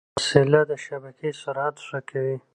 دا وسیله د شبکې سرعت ښه کوي.